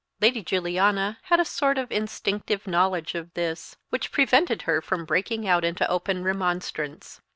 Lady Juliana had a sort of instinctive knowledge of this, which prevented her from breaking out into open remonstrance.